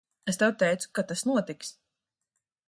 Es tev teicu, ka tas notiks.